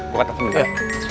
buka telepon dulu